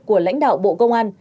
của lãnh đạo bộ công an